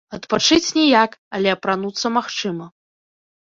Адпачыць ніяк, але апрануцца магчыма.